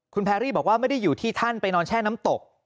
คุณแพรรี่บอกว่าไม่ได้อยู่ที่ท่านไปนอนแช่น้ำตก